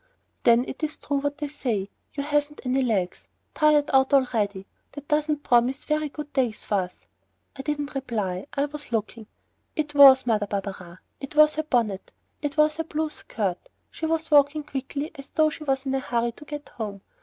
"Then it is true what they say, you haven't any legs, tired out already. That doesn't promise very good days for us." I did not reply, I was looking.... It was Mother Barberin. It was her bonnet. It was her blue skirt. She was walking quickly as though she was in a hurry to get home.